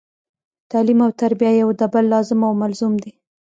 تعلیم او تربیه یو د بل لازم او ملزوم دي